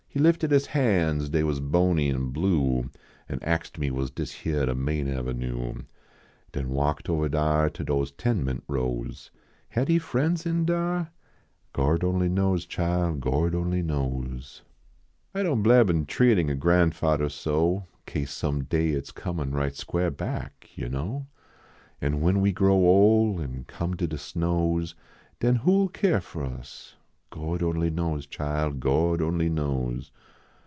lie lifted his han s, dav was bony an, blue, An axed me was dis hyar de main avenue, Den walked ovali dnr To dose ten ment rows. Had he friends in dar ? Gord only knows, chile, ( iord only knows. 160 GORD ONLY KNOWS I doan bleb in treatin a gran fader so, Kase some day its comin right squar back yer know. An when we grow ole An come to de snows, Den who ll keer fo us? Gord only knows, chile, Gord only knows.